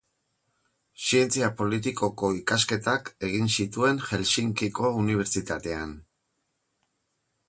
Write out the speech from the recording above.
Zientzia politikoko ikasketak egin zituen Helsinkiko Unibertsitatean.